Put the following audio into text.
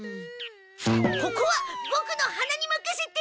ここはボクの鼻にまかせて！